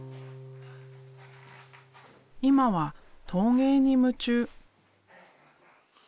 今は陶芸に夢中。